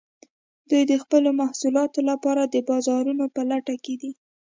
دوی د خپلو محصولاتو لپاره د بازارونو په لټه کې دي